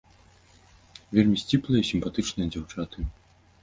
Вельмі сціплыя і сімпатычныя дзяўчаты.